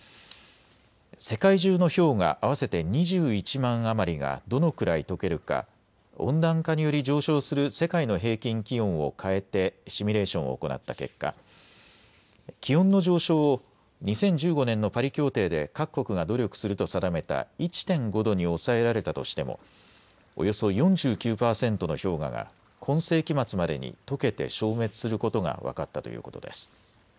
世界中の氷河合わせて２１万あまりがどのくらいとけるか、温暖化により上昇する世界の平均気温を変えてシミュレーションを行った結果、気温の上昇を２０１５年のパリ協定で各国が努力すると定めた１．５度に抑えられたとしてもおよそ４９％の氷河が今世紀末までにとけて消滅することが分かったということです。